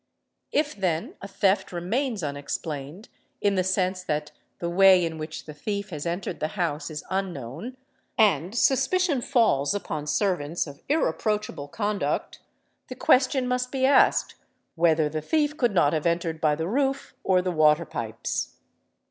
If then a theft remains unexplained, in the sense that the way in _ which the thief has entered the house is unknown, and suspicion falls upon servants of irreproachable conduct, the question must be asked, whether the thief could not have entered by the roof or the water pipes.